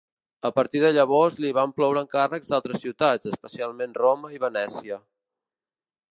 A partir de llavors, li van ploure encàrrecs d'altres ciutats, especialment Roma i Venècia.